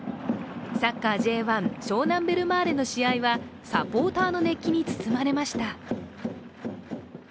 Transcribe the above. サッカーＪ１、湘南ベルマーレの試合はサポーターの熱気に包まれました。